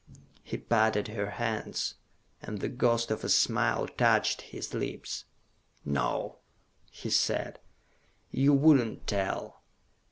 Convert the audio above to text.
He patted her hands, and the ghost of a smile touched his lips. "No," he said, "you would not tell.